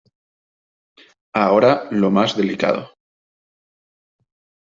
Ahora, lo más delicado.